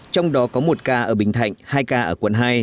trong đó có một ca ở bình thạnh hai ca ở quận hai